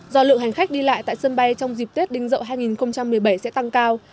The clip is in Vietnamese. do lượng hành khách đi lại tại sân bay trong dịp tết đinh dậu hai nghìn một mươi bảy sẽ tăng cao